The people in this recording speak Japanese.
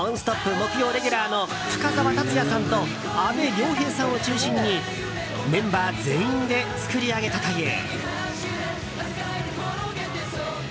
木曜レギュラーの深澤辰哉さんと阿部亮平さんを中心にメンバー全員で作り上げたという。